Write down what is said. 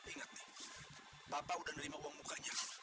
ingat nih bapak udah nerima uang mukanya